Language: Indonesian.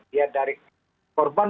dia dari korban